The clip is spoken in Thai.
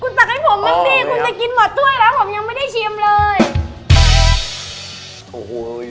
คุณตักให้ผมเมื่อกี้คุณจะกินหมดด้วยละผมยังไม่ได้ชิมเลย